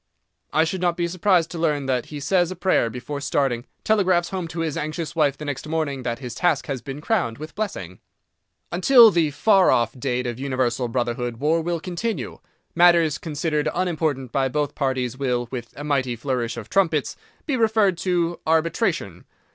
I should not be surprised to learn that he says a prayer before starting, telegraphs home to his anxious wife the next morning that his task has been crowned with blessing. Until the far off date of Universal Brotherhood war will continue. Matters considered unimportant by both parties will—with a mighty flourish of trumpets—be referred to arbitration.